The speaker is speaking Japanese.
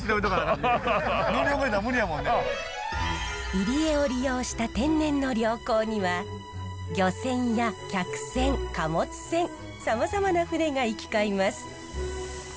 入り江を利用した天然の良港には漁船や客船貨物船さまざまな船が行き交います。